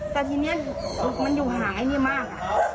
แต่ทีนี้มันอยู่ห่างไอ้นี่มาก